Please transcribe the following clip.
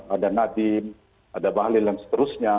ada nadiem ada bahlil dan seterusnya